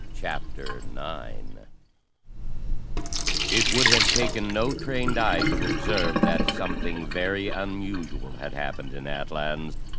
CHAPTER IX It would have taken no trained eye to observe that something very unusual had happened in Atlans.